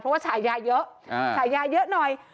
ขออนุญาตไปไวเพราะว่าฉายาเยอะฉายาเยอะหน่อย